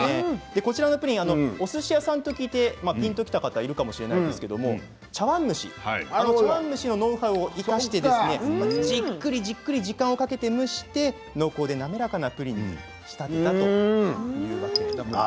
おすし屋さんと聞いてピンときた方いるかもしれませんが茶わん蒸しのノウハウを生かしてじっくりじっくり時間をかけて蒸して濃厚で滑らかなプリンに仕立てたということです。